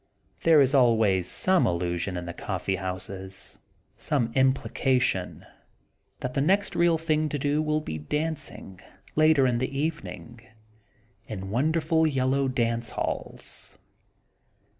There is always some allusion in the coffee houses, some implication, that the next real thing to do will be dancing, later in the eve ning, in wonderful Yellow Dance Halls.